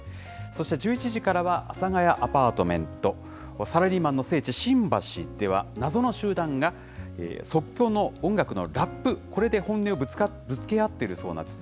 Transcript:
そして１１時からは、阿佐ヶ谷アパートメント、サラリーマンの聖地、新橋では謎の集団が即興の音楽のラップ、これで本音をぶつけ合っているそうなんです。